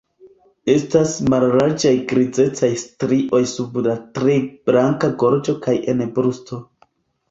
Estas mallarĝaj grizecaj strioj sub la tre blanka gorĝo kaj en brusto.